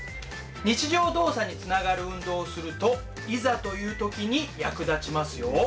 日常動作につながる運動をするといざという時に役立ちますよ。